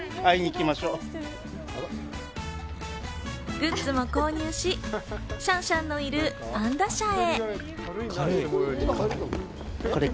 グッズも購入し、シャンシャンのいるパンダ舎へ。